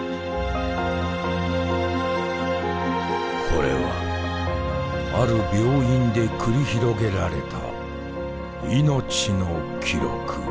これはある病院で繰り広げられた命の記録。